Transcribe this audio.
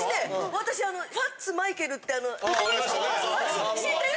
私あの『ホワッツマイケル』ってあの知ってる？